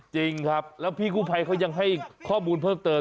จริงครับแล้วพี่กู้ภัยเขายังให้ข้อมูลเพิ่มเติม